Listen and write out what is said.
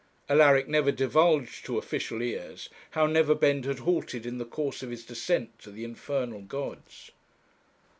Alaric never divulged to official ears how Neverbend had halted in the course of his descent to the infernal gods.